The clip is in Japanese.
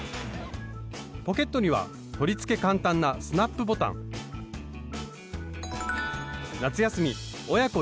ポケットには取り付け簡単なスナップボタン夏休み親子